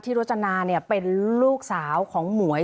ที่โรจนาเนี่ยเป็นลูกสาวของหมวย